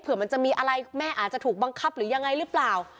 เพื่อมันจะมีอะไรแม่อาจจะถูกบังคับหรือยังไงหรือเปล่า